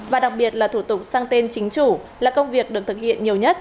và đặc biệt là thủ tục sang tên chính chủ là công việc được thực hiện nhiều nhất